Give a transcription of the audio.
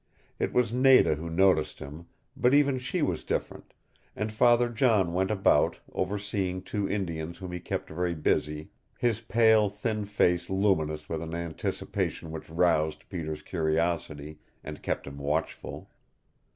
It was Nada who noticed him, but even she was different; and Father John went about, overseeing two Indians whom he kept very busy, his pale, thin face luminous with an anticipation which roused Peter's curiosity, and kept him watchful.